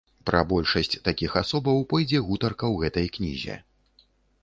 Пра большасць такіх асобаў пойдзе гутарка ў гэтай кнізе.